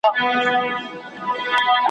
پر بچیو مو ماړه خرامان ګرځي `